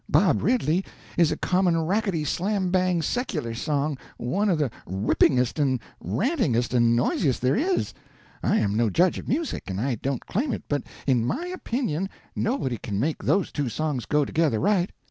'Bob Ridley' is a common rackety slam bang secular song, one of the rippingest and rantingest and noisiest there is. I am no judge of music, and I don't claim it, but in my opinion nobody can make those two songs go together right."